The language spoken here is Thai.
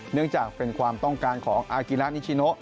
เนื่องจากเป็นความต้องการของอากิระนิชิโน